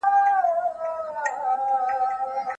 د وروسته پاته والي علتونه باید وڅیړل سي.